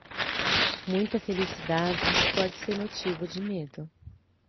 Muita felicidade pode ser motivo de medo.